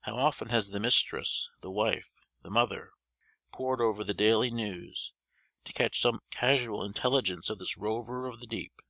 How often has the mistress, the wife, the mother, pored over the daily news, to catch some casual intelligence of this rover of the deep!